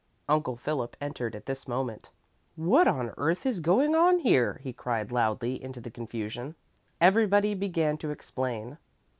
Uncle Philip entered at this moment. "What on earth is going on here?" he cried loudly into the confusion. Everybody began to explain.